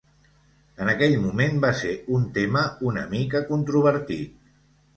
En aquell moment, va ser un tema una mica controvertit.